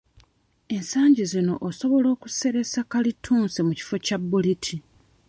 Ensangi zino osobola okuseresa kalittunsi mu kifo kya bbuliti.